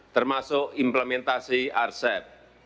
termasuk implementasi arcep